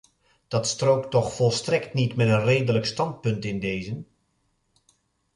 Dat strookt toch volstrekt niet met een redelijk standpunt in dezen.